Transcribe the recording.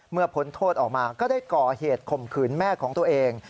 พ้นโทษออกมาก็ได้ก่อเหตุข่มขืนแม่ของตัวเอง